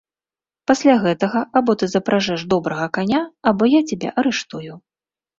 Пасля гэтага або ты запражэш добрага каня, або я цябе арыштую.